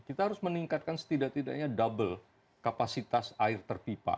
kita harus meningkatkan setidak tidaknya double kapasitas air terpipa